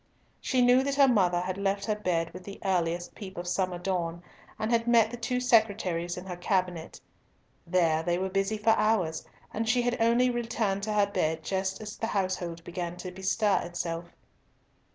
She knew that her mother had left her bed with the earliest peep of summer dawn, and had met the two secretaries in her cabinet. There they were busy for hours, and she had only returned to her bed just as the household began to bestir itself.